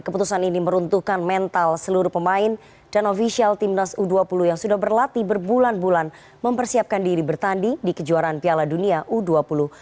keputusan ini meruntuhkan mental seluruh pemain dan ofisial timnas u dua puluh yang sudah berlatih berbulan bulan mempersiapkan diri bertanding di kejuaraan piala dunia u dua puluh